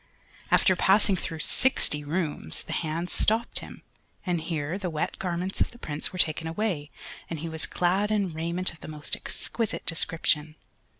After passing through sixty rooms, the hands stopped him, and here the wet garments of the Prince were taken away, and he was clad in raiment of the most exquisite description.